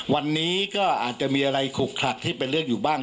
วันนี้ก็อาจจะมีอะไรขุกขลักที่เป็นเรื่องอยู่บ้าง